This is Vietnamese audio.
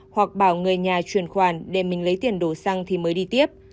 hoặc bảo người nhà chuyển khoản để mình lấy tiền đổ xăng thì mới đi tiếp